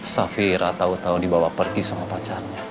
safira tahu tahu dibawa pergi sama pacarnya